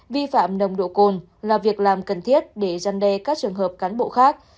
vi phạm nồng độ cồn là việc làm cần thiết để giăn đe các trường hợp cán bộ khác